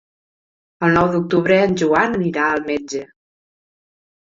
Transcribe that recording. El nou d'octubre en Joan anirà al metge.